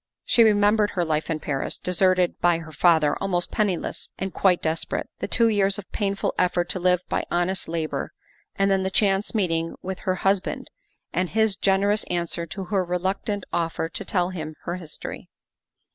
She remembered her life in Paris, deserted by her father, almost penniless and quite desperate. The two years of painful effort to live by honest labor, and then the chance meeting with her husband, and his generous answer to her reluctant offer to tell him her history.